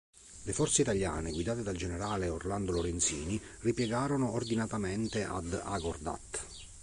Le forze italiane, guidate dal generale Orlando Lorenzini, ripiegarono ordinatamente ad Agordat.